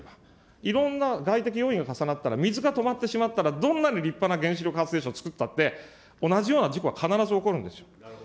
いろんな外的要因が重なったら、水が止まってしまったら、どんなに立派な原子力発電所つくったって、同じような事故は必ず起きるんですよ。